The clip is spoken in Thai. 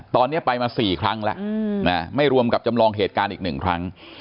ตอนนี้ไปมา๔ครั้งแล้วไม่รวมกับจำลองเหตุการณ์อีก๑ครั้ง